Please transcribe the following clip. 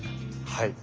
はい。